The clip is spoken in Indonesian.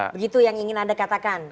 begitu yang ingin anda katakan